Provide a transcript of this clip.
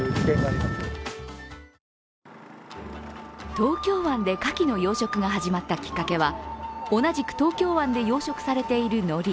東京湾でかきの養殖が始まったきっかけは同じく東京湾で養殖されているのり。